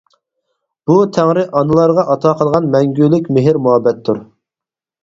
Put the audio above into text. بۇ تەڭرى ئانىلارغا ئاتا قىلغان مەڭگۈلۈك مېھىر-مۇھەببەتتۇر.